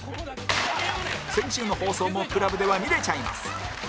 先週の放送も ＣＬＵＢ では見れちゃいます